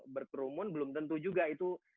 berkerumun belum tentu juga itu